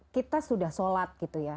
kita sudah sholat gitu ya